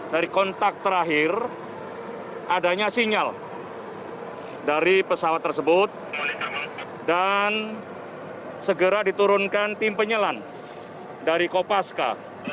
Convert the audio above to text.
dari kontak terakhir adanya sinyal dari pesawat tersebut dan segera diturunkan tim penyelan dari kopaska